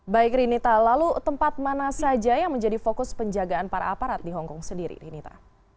baik rinita lalu tempat mana saja yang menjadi fokus penjagaan para aparat di hongkong sendiri rinita